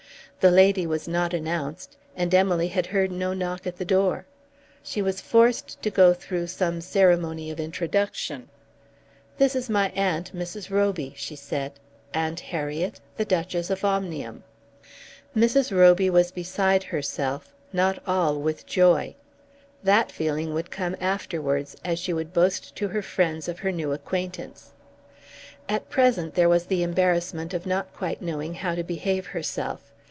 The lady was not announced, and Emily had heard no knock at the door. She was forced to go through some ceremony of introduction. "This is my aunt, Mrs. Roby," she said. "Aunt Harriet, the Duchess of Omnium." Mrs. Roby was beside herself, not all with joy. That feeling would come afterwards as she would boast to her friends of her new acquaintance. At present there was the embarrassment of not quite knowing how to behave herself.